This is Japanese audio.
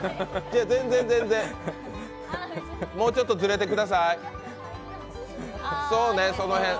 全然、もうちょっとズレてください。